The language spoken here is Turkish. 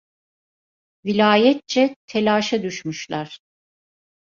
Vilayetçe telaşa düşmüşler.